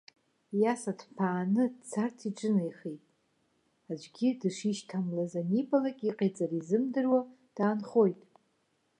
Иаса ҭԥааны, дцарц иҿынеихоит, аӡәгьы дышишьҭамлаз анибалак, иҟаиҵара изымдыруа даанхоит.